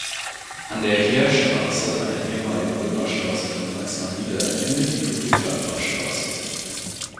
An der "Heerstraße", einer ehemaligen Römerstraße von Mainz nach Nida, endet die Ludwig-Landmann-Straße.